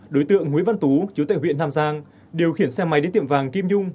đối tượng nguyễn văn tú chú tại huyện nam giang điều khiển xe máy đến tiệm vàng kim nhung